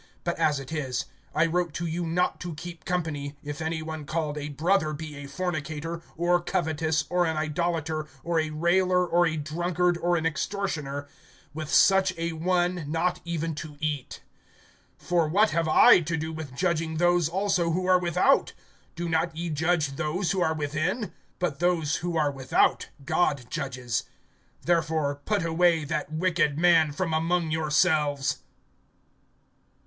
(11)But as it is, I wrote to you not to keep company, if any one called a brother be a fornicator, or covetous, or an idolater, or a railer, or a drunkard, or an extortioner, with such a one not even to eat. (12)For what have I to do with judging those also who are without? Do not ye judge those who are within? (13)But those who are without God judges. Therefore put away that wicked man from among yourselves.